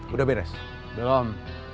udah beres belum